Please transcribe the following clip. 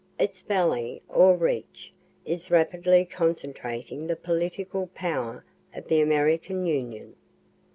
Its valley, or reach, is rapidly concentrating the political power of the American Union.